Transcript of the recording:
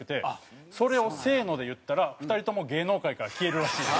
それを「せーの」で言ったら２人とも芸能界から消えるらしい。